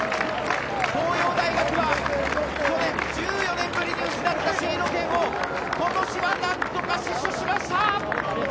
東洋大学は、去年１４年ぶりに失ったシード権を今年はなんとか死守しました！